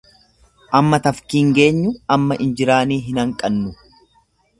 Amma tafkii hin geenyu, amma injiraanii hin hanqannu.